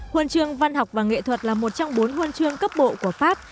huần trường văn học và nghệ thuật là một trong bốn huần trường cấp bộ của pháp